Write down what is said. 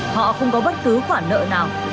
họ không có bất cứ khoản nợ nào